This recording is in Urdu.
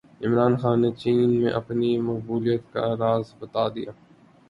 عامر خان نے چین میں اپنی مقبولیت کا راز بتادیا